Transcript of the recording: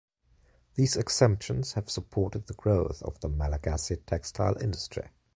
These exemptions have supported the growth of the Malagasy textile industry.